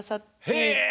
へえ。